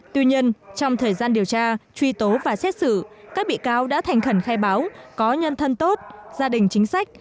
tuy nhiên trong thời gian điều tra truy tố và xét xử các bị cáo đã thành khẩn khai báo có nhân thân tốt gia đình chính sách